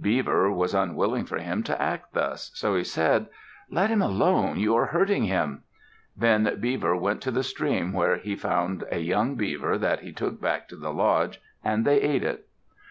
Beaver was unwilling for him to act thus, so he said, "Let him alone! You are hurting him!" Then Beaver went to the stream where he found a young beaver that he took back to the lodge, and they ate it.